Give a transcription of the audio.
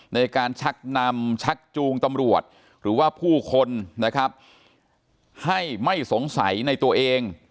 ในการชักนำชักจูงตำรวจหรือว่าผู้คนนะครับให้ไม่สงสัยในตัวเอง